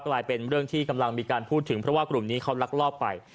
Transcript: กลายเป็นเรื่องที่กำลังมีการพูดถึงเพราะว่ากลุ่มนี้เขาลักลอบไป